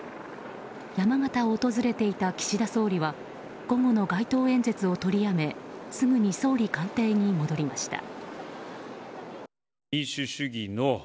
山形を訪れていた岸田総理は午後の街頭演説を取りやめすぐに総理官邸に戻りました。